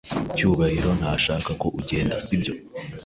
Cyubahiro ntashaka ko ugenda, sibyo?